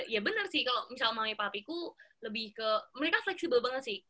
ya bener sih kalau misal mami papiku lebih ke mereka fleksibel banget sih